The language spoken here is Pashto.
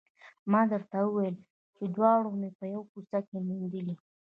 ما درته وویل چې دواړه مې په یوه کوڅه کې موندلي